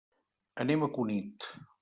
Anem a Cunit.